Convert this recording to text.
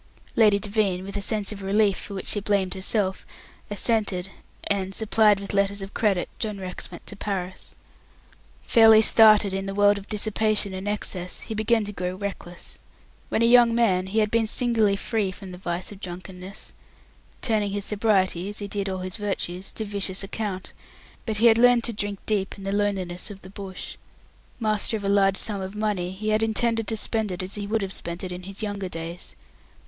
Lady Devine with a sense of relief for which she blamed herself assented, and supplied with letters of credit, John Rex went to Paris. Fairly started in the world of dissipation and excess, he began to grow reckless. When a young man, he had been singularly free from the vice of drunkenness; turning his sobriety as he did all his virtues to vicious account; but he had learnt to drink deep in the loneliness of the bush. Master of a large sum of money, he had intended to spend it as he would have spent it in his younger days.